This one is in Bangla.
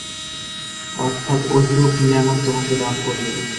অর্থাৎ ওহীরূপ নিয়ামত তোমাকে দান করবেন।